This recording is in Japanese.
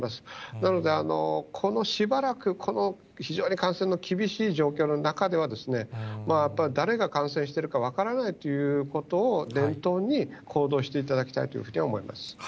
なので、しばらく、この非常に感染の厳しい状況の中では、あとは誰が感染しているか分からないということを念頭に、行動していただきたいというふうに思います。